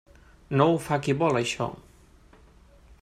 No ho fa qui vol això.